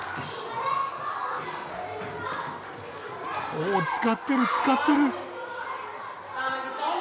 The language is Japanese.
おお使ってる使ってる。